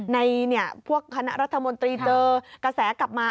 ในพวกคณะรัฐมนตรีเจอกระแสกลับมา